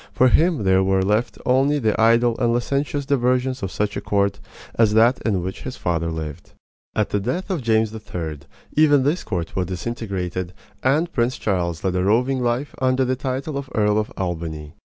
For him there were left only the idle and licentious diversions of such a court as that in which his father lived. At the death of James III., even this court was disintegrated, and Prince Charles led a roving life under the title of Earl of Albany.